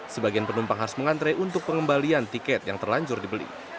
sebagian penumpang harus mengantre untuk pengembalian tiket yang terlanjur dibeli